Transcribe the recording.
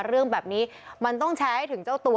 เรื่องแบบนี้มันต้องแชร์ให้ถึงเจ้าตัว